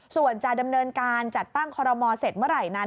ส่วนจะดำเนินการจัดตั้งคอรมอเสร็จเมื่อไหร่นั้น